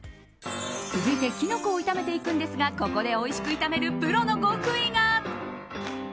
続いてキノコを炒めていくんですがここでおいしく炒めるプロの極意が。